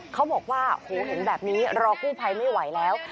เขาบอกว่าโหเห็นแบบนี้รอกู้ภัยไม่ไหวแล้ว